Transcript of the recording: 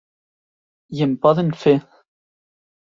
I em poden fer!